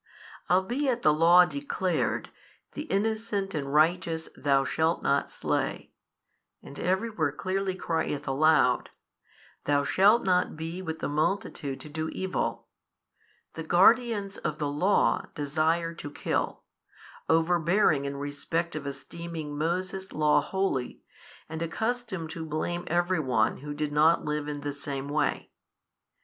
Albeit the Law declared, The innocent and righteous thou shalt not slay, and every where clearly crieth aloud, Thou shalt not be with the multitude to do evil, the guardians of the Law desire to kill, overbearing in respect of esteeming Moses' Law holy, and accustomed to blame every one who did not live in the same way.